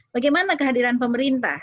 bagaimana kehadiran pemerintah